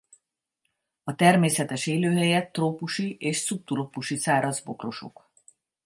A természetes élőhelye trópusi és szubtrópusi száraz bokrosok.